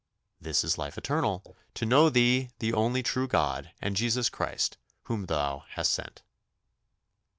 "This is life eternal, to know thee the only true God, and Jesus Christ, whom thou hast sent."